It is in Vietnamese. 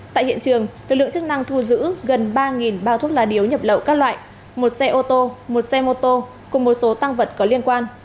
tại hiện trường lực lượng chức năng thu giữ gần ba bao thuốc lá điếu nhập lậu các loại một xe ô tô một xe mô tô cùng một số tăng vật có liên quan